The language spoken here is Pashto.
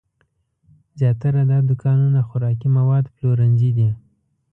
زیاتره دا دوکانونه خوراکي مواد پلورنځي دي.